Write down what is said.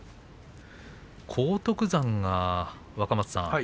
荒篤山が若松さん